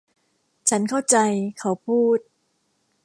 ฉันเข้าใจ เขาพูด